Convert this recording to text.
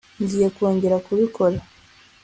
ngiye kongera kubikora